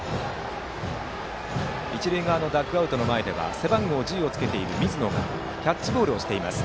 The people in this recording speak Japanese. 一塁側のダグアウト前では背番号１０をつけている水野がキャッチボールをしています。